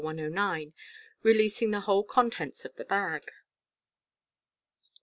109, releasing the whole contents of the bag.